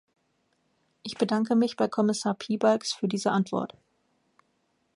Ich bedanke mich bei Kommissar Piebalgs für diese Antwort.